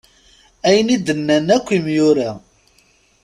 Ayen i d-nnan akk imyura.